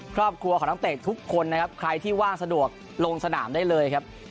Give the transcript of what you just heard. ครอบครัวของนักเตะทุกคนนะครับใครที่ว่างสะดวกลงสนามได้เลยครับ